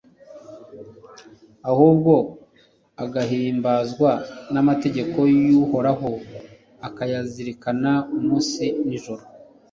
ahubwo agahimbazwa n'amategeko y'uhoraho, akayazirikana umunsi n'ijoro